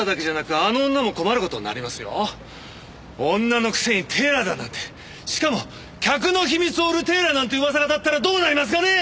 女のくせにテーラーだなんてしかも客の秘密を売るテーラーなんて噂が立ったらどうなりますかね！